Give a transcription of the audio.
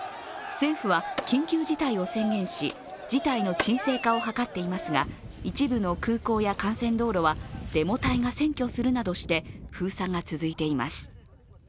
政府は緊急事態を宣言し事態の沈静化を図っていますが一部の空港や幹線道路はデモ隊が占拠するなどして封鎖が続いています。